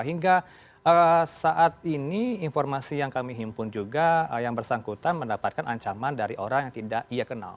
hingga saat ini informasi yang kami himpun juga yang bersangkutan mendapatkan ancaman dari orang yang tidak ia kenal